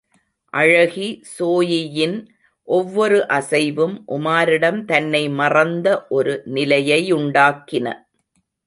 அழகி ஸோயியின் ஒவ்வொரு அசைவும் உமாரிடம் தன்னை மறந்த ஒரு நிலையையுண்டாக்கின.